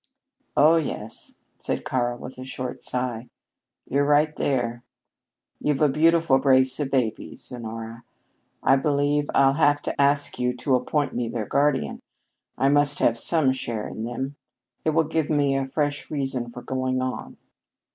"Oh, yes," said Karl, with a short sigh, "you're right there. You've a beautiful brace of babies, Honora. I believe I'll have to ask you to appoint me their guardian. I must have some share in them. It will give me a fresh reason for going on."